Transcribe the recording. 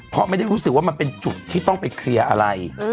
เพราะไม่ได้รู้สึกว่ามันเป็นจุดที่ต้องไปเคลียร์อะไร